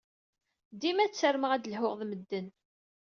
Dima ttarmeɣ ad lhuɣ ed medden.